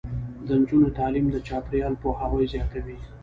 د نجونو تعلیم د چاپیریال پوهاوي زیاتوي.